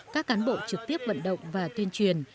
các cán bộ trực tiếp vận động và tuyên truyền